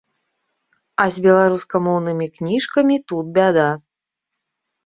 А з беларускамоўнымі кніжкамі тут бяда.